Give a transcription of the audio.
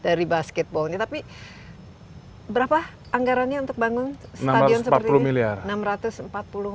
dari basketballnya tapi berapa anggarannya untuk bangun stadion seperti ini